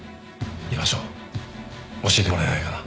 居場所教えてもらえないかな？